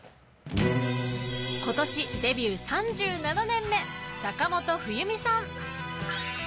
今年デビュー３７年目坂本冬美さん。